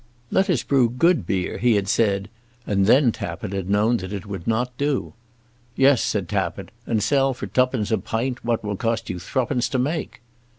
"Let us brew good beer," he had said; and then Tappitt had known that it would not do. "Yes," said Tappitt, "and sell for twopence a pint what will cost you threepence to make!"